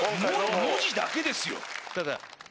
文字だけですよ。